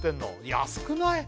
安くない？